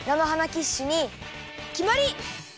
キッシュにきまり！